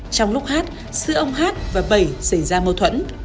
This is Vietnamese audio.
trong lúc hát sữa ông hát và bẩy xảy ra mâu thuẫn